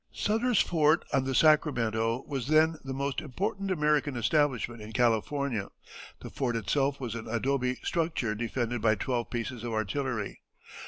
Sutter's Fort, on the Sacramento, was then the most important American establishment in California; the fort itself was an adobe structure defended by twelve pieces of artillery.